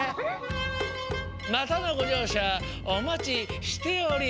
またのごじょうしゃおまちしており